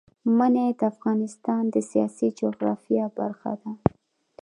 منی د افغانستان د سیاسي جغرافیه برخه ده.